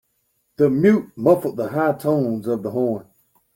The mute muffled the high tones of the horn.